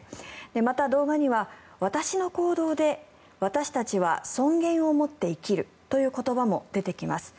また、動画には私の行動で私たちは尊厳を持って生きるという言葉も出てきます。